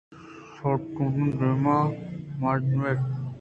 سارٹونی دیم ءِ مردم اَت